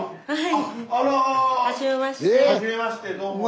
はい。